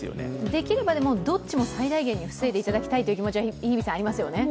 できればどっちも最大限に防いでいただきたいという気持ちはありますよね。